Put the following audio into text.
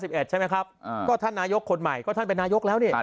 ใช่ไหมครับอ่าก็ท่านนายกคนใหม่ก็ท่านเป็นนายกแล้วนี่